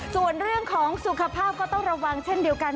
ส่วนเรื่องของสุขภาพก็ต้องระวังเช่นเดียวกัน